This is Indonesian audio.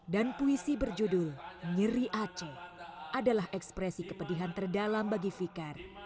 dan puisi berjudul nyeri aceh adalah ekspresi kepedihan terdalam bagi fikar